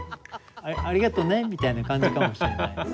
「ありがとね」みたいな感じかもしれないですね。